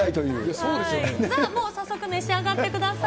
早速召し上がってください。